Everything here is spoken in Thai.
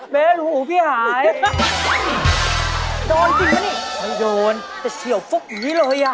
โดนจริงนะนี่ไม่โดนแต่เฉียวฟุบอย่างนี้เลย